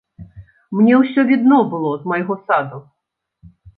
Мне ўсё відно было з майго саду.